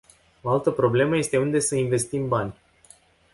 O altă problemă este unde să investim bani.